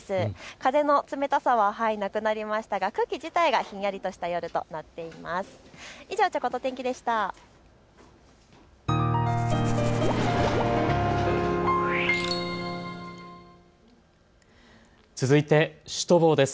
風の冷たさはなくなりましたが空気自体がひんやりとした夜となっています。